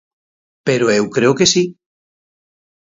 Pero eu creo que si.